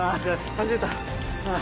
走れた。